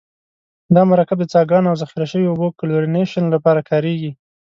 دا مرکب د څاګانو او ذخیره شویو اوبو کلورینیشن لپاره کاریږي.